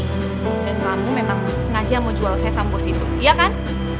dan kamu memang sengaja mau jual sesam bos itu iya kan